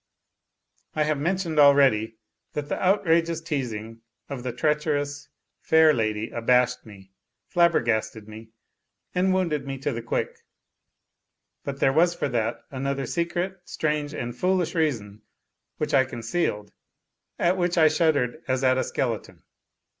I have mentioned already that the outrageous teasing of the treacherous fair lady abashed me, flabbergasted me, and wounded me to the quick. But there was for that another secret, strange and foolish reason, which I concealed, at which I shuddered as at a skeleton.